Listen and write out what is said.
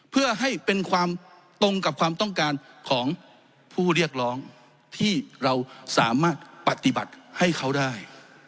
เพื่อให้เป็นความตรงกับความต้องการของผู้เรียกร้องที่เราสามารถปฏิบัติให้เขาได้